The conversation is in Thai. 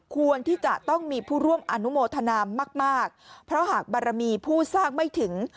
ควรที่จะต้องมีผู้ร่วมอนุโมทนามมากเพราะหากบารมีผู้สร้างไม่ถึง